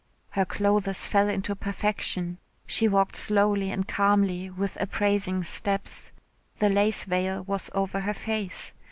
Her clothes fell into perfection she walked slowly and calmly with appraising steps. The lace veil was over her face.